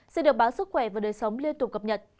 sẽ được báo sức khỏe và đời sống liên tục cập nhật